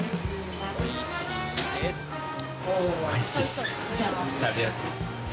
おいしいっす。